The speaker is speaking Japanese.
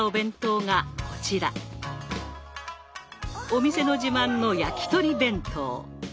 お店の自慢の焼き鳥弁当。